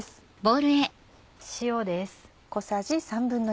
塩です。